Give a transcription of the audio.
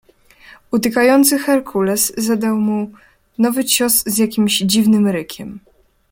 "Utykający herkules zadał mu nowy cios z jakimś dziwnym rykiem."